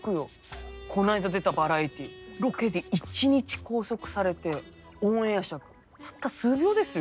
この間出たバラエティロケで一日拘束されてオンエア尺たった数秒ですよ。